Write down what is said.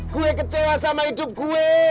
kue kecewa sama hidup gue